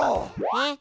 えっ？